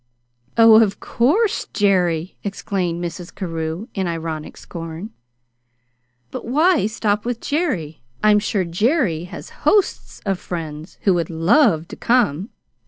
"Oh, of course, JERRY!" exclaimed Mrs. Carew in ironic scorn. "But why stop with Jerry? I'm sure Jerry has hosts of friends who would love to come.